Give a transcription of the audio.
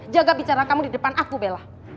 jaga bicara kamu di depan aku bella